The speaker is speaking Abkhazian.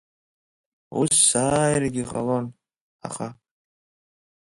Ус сааиргьы ҟалон, аха…